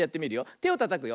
てをたたくよ。